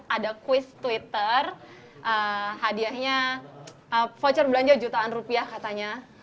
ada quiz twitter hadiahnya voucher belanja jutaan rupiah katanya